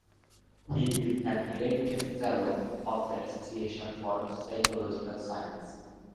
He is an elected fellow of the Association for Psychological Science.